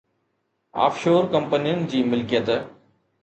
of شور ڪمپنين جي ملڪيت